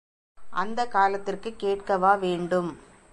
அந்தக் காலத்திற்குக் கேட்கவா வேண்டும்!